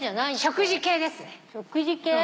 食事系？